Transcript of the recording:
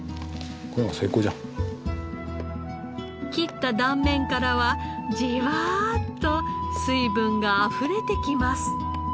切った断面からはじわっと水分があふれてきます。